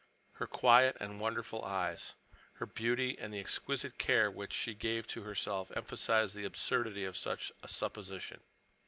Her quiet and wonderful eyes, her beauty and the exquisite care which she gave to herself emphasized the absurdity of such a supposition.